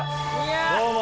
どうも。